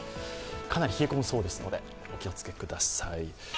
かなり冷え込むそうですのでお気をつけください。